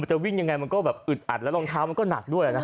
จะวิ่งยังไงมันก็แบบอึดอัดแล้วรองเท้ามันก็หนักด้วยนะ